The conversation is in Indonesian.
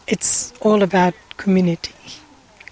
ini semua tentang hubungan komunitas